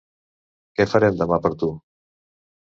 Què farem demà per tu?